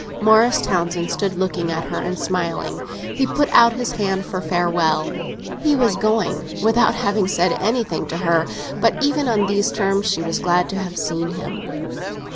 Morris Townsend stood looking at her and smiling; he put out his hand for farewell. He was going, without having said anything to her; but even on these terms she was glad to have seen him.